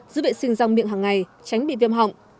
giữ vệ sinh răng miệng hằng ngày tránh bị viêm họng